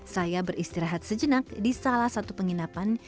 saya beristirahat sejenak di salah satu penginapan